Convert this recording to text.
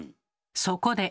そこで。